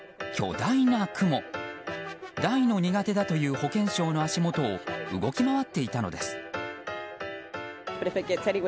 大の苦手だという保健相の足元を動き回っていたのです。